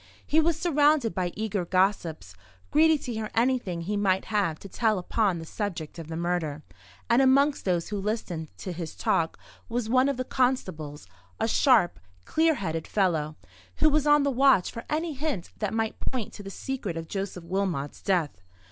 He was surrounded by eager gossips, greedy to hear anything he might have to tell upon the subject of the murder; and amongst those who listened to his talk was one of the constables—a sharp, clear headed fellow—who was on the watch for any hint that might point to the secret of Joseph Wilmot's death.